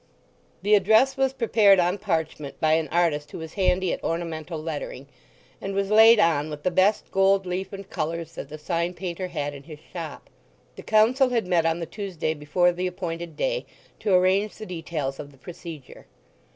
The address was prepared on parchment by an artist who was handy at ornamental lettering, and was laid on with the best gold leaf and colours that the sign painter had in his shop. The Council had met on the Tuesday before the appointed day, to arrange the details of the procedure.